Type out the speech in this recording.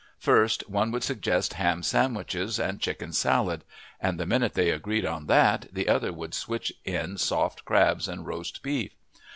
First, one would suggest ham sandwiches and chicken salad, and the minute they agreed on that the other would switch in soft crabs and roast beef.